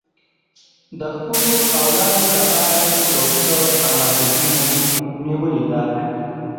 د خپلو اولادو لپاره مې یو څه اماده ګي هم نیولې ده.